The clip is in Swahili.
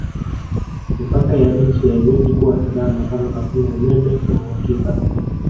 Mipaka ya nchi haiwezi kuwa salama kama hakuna Umeme wa uhakika